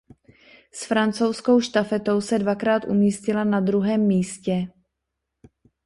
S francouzskou štafetou se dvakrát umístila na druhém místě.